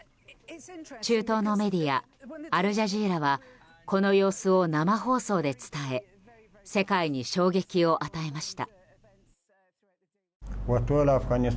中東のメディアアルジャジーラはこの様子を生放送で伝え世界に衝撃を与えました。